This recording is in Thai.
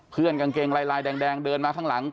กางเกงลายแดงเดินมาข้างหลัง